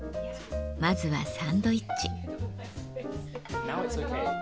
まずはサンドイッチ。